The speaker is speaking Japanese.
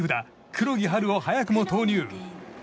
黒木陽琉を早くも投入。